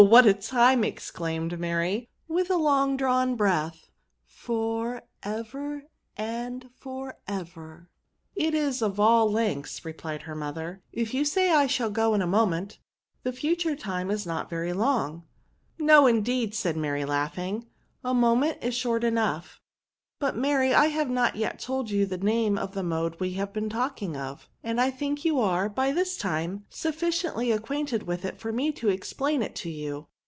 what a time!" exelaimed Mary, with a long drawn breath ;'* for ever! and for ever!" It is of all lengths," replied her mother ;^^ if you say I shall go in a mom^it, the fu ture time is not very long." V]E:rb8. 315 ft No, indeed," said Mary, laughing, a moment is short enough," But, Mary, I have not yet told you the name of the mode we have been talking of; and I think you are, by this time, sufficiently acquainted with it for me to explain it to you."